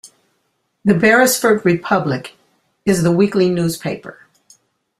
The "Beresford Republic" is the weekly newspaper.